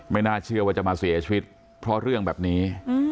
ไม่น่าเชื่อว่าจะมาเสียชีวิตเพราะเรื่องแบบนี้